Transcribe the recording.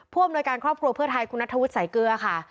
อำนวยการครอบครัวเพื่อไทยคุณนัทธวุฒิสายเกลือค่ะ